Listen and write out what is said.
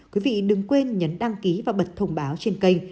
quý vị đừng quên nhắn đăng ký và bật thông báo trên kênh